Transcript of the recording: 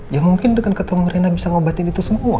ya mungkin dengan ketemu rena bisa ngobatin itu semua